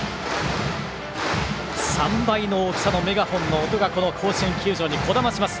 ３倍の大きさのメガホンの音が甲子園球場にこだまします